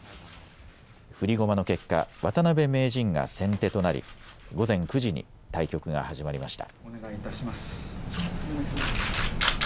振り駒の結果、渡辺名人が先手となり午前９時に対局が始まりました。